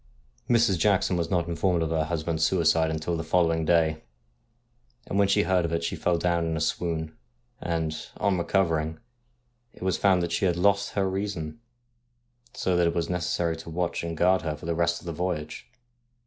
Mrs. Jackson was not informed of her husband's suicide until the following day, and when she heard of it she fell down in a swoon ; and, on recovering, it was found that she had lost her reason, so that it was necessary to watch and guard her for the rest of the voyage.